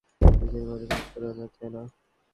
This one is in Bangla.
নিজের মনের কথা শোনো না, থেনা।